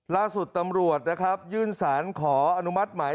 ล่าสุดตำรวจนะครับยื่นสารขออนุมัติหมาย